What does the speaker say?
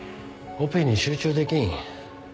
オペに集中できん。